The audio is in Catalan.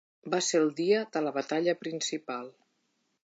Va ser el dia de la batalla principal.